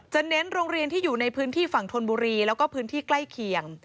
จะเน้นโรงเรียนที่อยู่ในฝั่งทนบุรีแล้วก็ใกล้เคียง